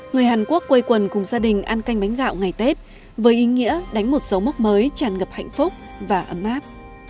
người hàn quốc quây quần cùng gia đình ăn canh bánh gạo ngày tết với ý nghĩa đánh một dấu mốc mới tràn ngập hạnh phúc và ấm áp